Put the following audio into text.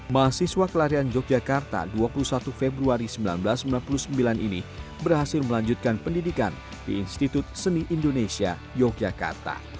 mahasiswa kelarian yogyakarta dua puluh satu februari seribu sembilan ratus sembilan puluh sembilan ini berhasil melanjutkan pendidikan di institut seni indonesia yogyakarta